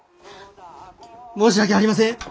申し訳ありません！